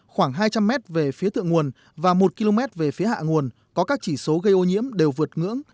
khoảng hai trăm linh m về phía thượng nguồn và một km về phía hạ nguồn có các chỉ số gây ô nhiễm đều vượt ngưỡng